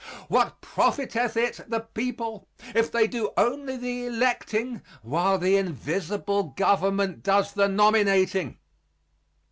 What profiteth it the people if they do only the electing while the invisible government does the nominating?